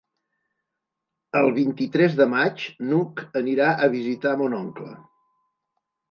El vint-i-tres de maig n'Hug anirà a visitar mon oncle.